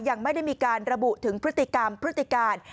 ยังไม่ได้มีการระบุถึงพฤติกรรมพฤติการ